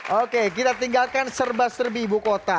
oke kita tinggalkan serba serbi ibu kota